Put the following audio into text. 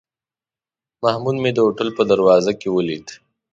محمود مې د هوټل په دروازه کې ولید.